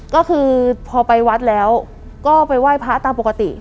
ก็คือพอไปวัดแล้วก็ไปไหว้พระตามปกติ